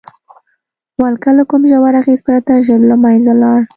ولکه له کوم ژور اغېز پرته ژر له منځه لاړه.